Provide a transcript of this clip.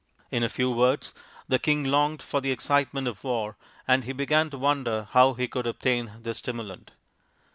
In a few words, the king longed for the excitement of war, and he began to wonder how he could obtain this stimulant.